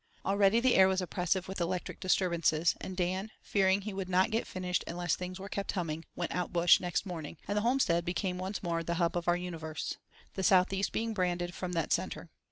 Already the air was oppressive with electric disturbances, and Dan, fearing he would not get finished unless things were kept humming, went out bush next morning, and the homestead became once more the hub of our universe—the south east being branded from that centre.